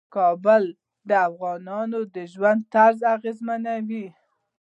کابل د افغانانو د ژوند طرز اغېزمنوي.